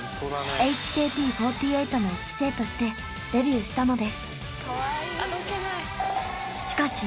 ＨＫＴ４８の１期生としてデビューしたのですしかし